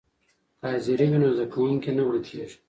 که حاضري وي نو زده کوونکی نه ورکېږي.